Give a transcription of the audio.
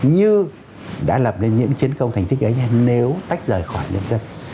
như đã lập lên những chiến công thành tích ấy nếu tách rời khỏi nhân dân